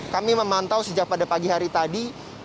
kami memantau sejak pada pagi hari tadi